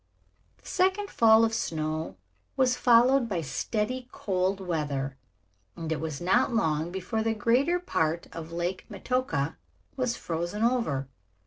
The second fall of snow was followed by steady cold weather and it was not long before the greater part of Lake Metoka was frozen over.